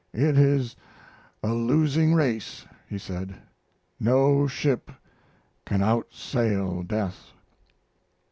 "It is a losing race," he said; "no ship can outsail death."